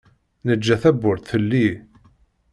Neǧǧa tawwurt telli.